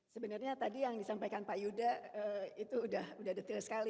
sebenarnya tadi yang disampaikan pak yuda itu udah detail sekali